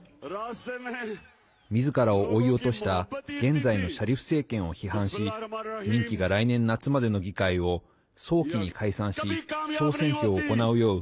みずからを追い落とした現在のシャリフ政権を批判し任期が来年夏までの議会を早期に解散し総選挙を行うよう